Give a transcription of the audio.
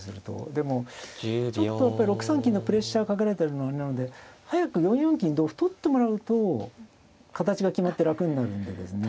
でもちょっとやっぱり６三金のプレッシャーかけられてるのあれなので早く４四金同歩取ってもらうと形が決まって楽になるんでですね。